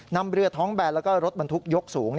นำเรือท้องแบนแล้วก็รถบรรทุกยกสูง